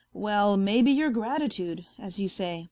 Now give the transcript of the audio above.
. well, maybe your gratitude, as you say.